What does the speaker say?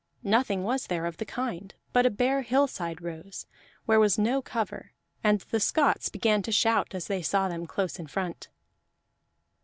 Nothing was there of the kind, but a bare hillside rose, where was no cover, and the Scots began to shout as they saw them close in front.